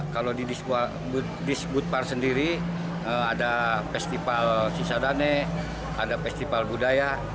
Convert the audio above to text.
kalau di disbutpar sendiri ada festival sisadane ada festival budaya